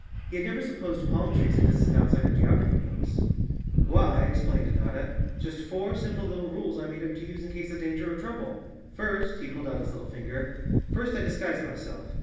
He had never supposed palm trees existed outside of geography books. "Why," explained Notta, "just four simple little rules I made up to use in case of danger or trouble. First," he pulled out his little finger, "first I disguise myself.